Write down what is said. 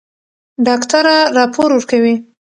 ډاکټره راپور ورکوي.